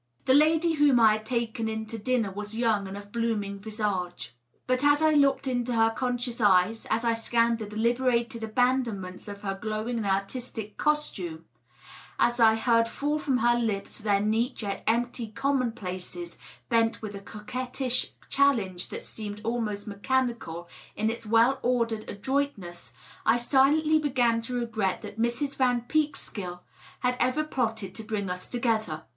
The lady whom 1 had taken in to dinner was young and of blooming visage. But as I looked into her conscious eyes, as I scanned the deliberated abandon ments of her glowing and artistic costume, as I heard fall from her lips their neat yet empty commonplaces blent with a coquettish challenge that seemed almost mechanical in its well ordered adroitness, I silently began to regret that Mrs. Van Peekskill had ever plotted to bring us together.